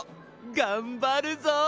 がんばるぞ！